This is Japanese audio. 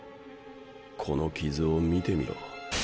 この傷を見てみろ。